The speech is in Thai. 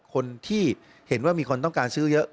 คนที่เห็นว่ามีคนต้องการซื้อเยอะ